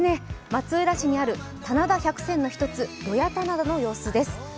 松浦市にある棚田百選の１つ土谷棚田の様子です。